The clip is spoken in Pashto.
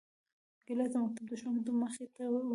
ګیلاس د مکتب د ښوونکي مخې ته وي.